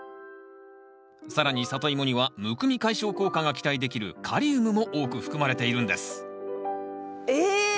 更にサトイモにはむくみ解消効果が期待できるカリウムも多く含まれているんですえ！